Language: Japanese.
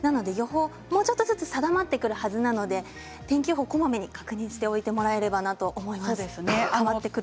もうちょっとあとで予報が定まってくるはずなので天気予報を、こまめに確認しておいてもらえればなと思います。